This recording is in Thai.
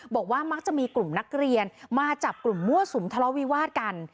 บอกว่ามักจะมีกลุ่มนักเรียนมาจับกลุ่มมั่วสุมทะเลาวิวาสกัน